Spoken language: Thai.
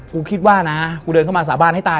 กูคิดว่านะกูเดินเข้ามาสาบานให้ตา